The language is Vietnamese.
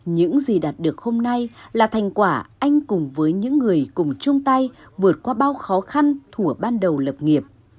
những gì đạt được hôm nay là thành quả anh cùng với những người cùng chung tay vượt qua bao khó khăn thủa ban đầu lập nghiệp